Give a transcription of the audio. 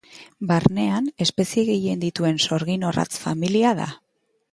Barnean espezie gehien dituen sorgin-orratz familia da.